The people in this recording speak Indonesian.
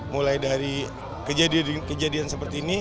mulai dari kejadian kejadian seperti ini